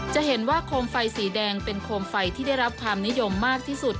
จะเห็นว่าโคมไฟสีแดงเป็นโคมไฟที่ได้รับความนิยมมากที่สุด